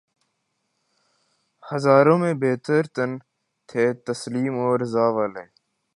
ہزاروں میں بہتر تن تھے تسلیم و رضا والے